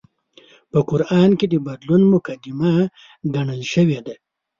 په قران کې د بدلون مقدمه ګڼل شوې ده